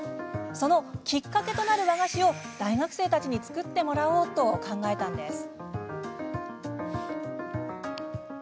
そのきっかけとなる和菓子を大学生たちに作ってもらおうと考えたのです。